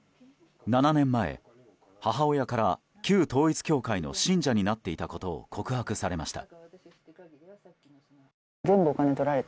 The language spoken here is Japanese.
７年前、母親から旧統一教会の信者になっていたことを告白されました。